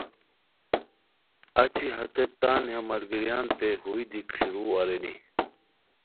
اچی ہتیت تان ہے ملگیریانتین ہوئے دیک شروع ارینی